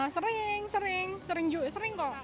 sering sering sering kok